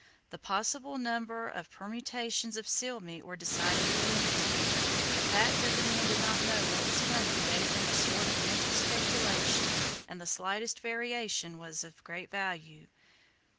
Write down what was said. The possible number of permutations of seal meat were decidedly limited. The fact that the men did not know what was coming gave them a sort of mental speculation, and the slightest variation was of great value.